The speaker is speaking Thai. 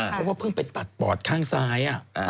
เพราะว่าเพิ่งไปตัดปอดข้างซ้าย